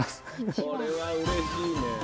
これはうれしいね。